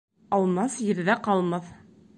Алмас ерҙә ҡалмаҫ.